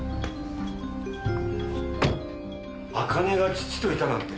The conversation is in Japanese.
茜が父といたなんて。